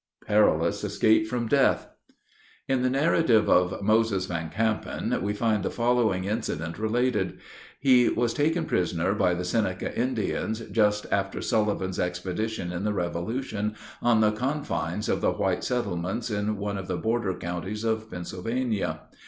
PERILOUS ESCAPE FROM DEATH. In the narrative of Moses Van Campen, we find the following incident related. He was taken prisoner by the Seneca Indians, just after Sullivan's expedition in the Revolution, on the confines of the white settlements in one of the border counties of Pennsylvania.